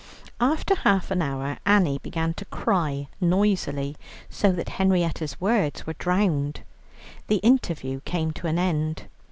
After half an hour Annie began to cry noisily, so that Henrietta's words were drowned. The interview came to an end.